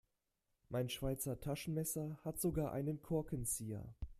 Mein Schweizer Taschenmesser hat sogar einen Korkenzieher.